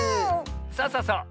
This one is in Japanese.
そうそうそう。